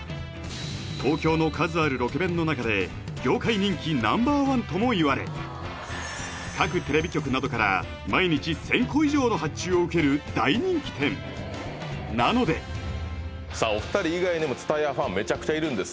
東京の数あるロケ弁の中で業界人気Ｎｏ．１ともいわれ各テレビ局などから大人気店なのでさあお二人以外にも津多屋ファンめちゃくちゃいるんです